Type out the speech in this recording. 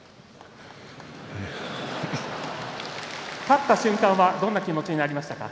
勝った瞬間はどんな気持ちになりましたか。